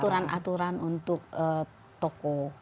aturan aturan untuk toko